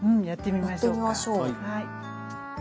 やってみましょう。